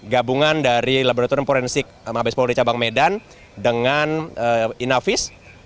gabungan dari laboratorium forensik mabes polri cabang medan dengan inavis